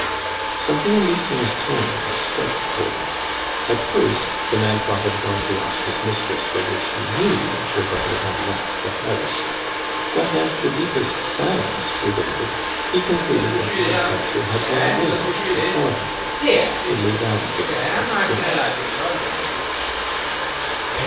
Something in Lucien's tone had struck Kolb. At first the man thought of going to ask his mistress whether she knew that her brother had left the house; but as the deepest silence prevailed, he concluded that the departure had been arranged beforehand, and lay down again and slept.